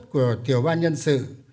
của tiểu ban nhân sự